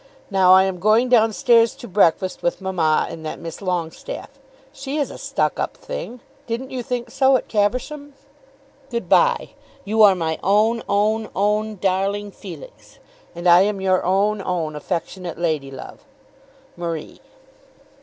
Now I am going down stairs to breakfast with mamma and that Miss Longestaffe. She is a stuck up thing. Didn't you think so at Caversham? Good bye. You are my own, own, own darling Felix, And I am your own, own affectionate ladylove, MARIE.